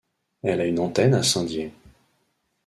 Elle a une antenne à Saint-Dié.